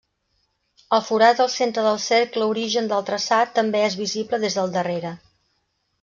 El forat al centre del cercle origen del traçat també és visible des del darrere.